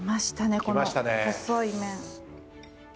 この細い麺。